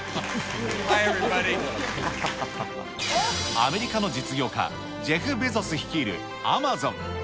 アメリカの実業家、ジェフ・ベゾス氏率いるアマゾン。